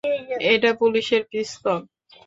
এটা পুলিশের পিস্তল।